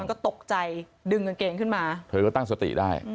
ก็ตกใจดึงกางเกงขึ้นมาเธอก็ตั้งสติได้